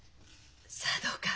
さあどうか。